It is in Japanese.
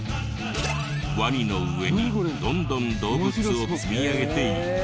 ワニの上にどんどん動物を積み上げていく。